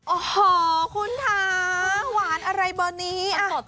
โอ้โหคุณฐาหวานอะไรบ่นี้